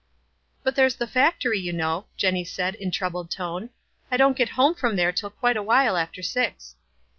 "But there's the factoiy, }'ou know," Jenny said, in troubled tone. "I don't get home from there till quite a while after six."